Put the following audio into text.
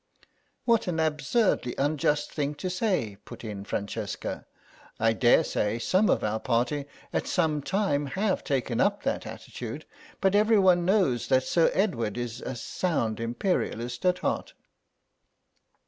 '" "What an absurdly unjust thing to say," put in Francesca; "I daresay some of our Party at some time have taken up that attitude, but every one knows that Sir Edward is a sound Imperialist at heart."